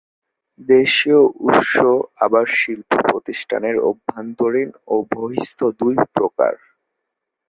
দেশিয় উৎস আবার শিল্প প্রতিষ্ঠানের অভ্যন্তরীণ ও বহিস্থ দু প্রকার।